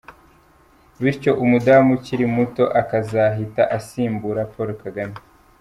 Bityo umudamu ukiri muto akazahita asimbura Paul Kagame !